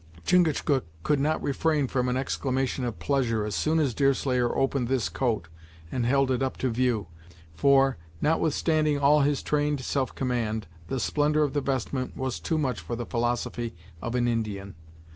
Chingachgook could not refrain from an exclamation of pleasure, as soon as Deerslayer opened this coat and held it up to view, for, notwithstanding all his trained self command, the splendor of the vestment was too much for the philosophy of an Indian.